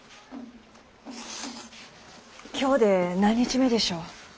今日で何日目でしょう？